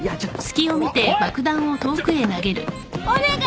お願い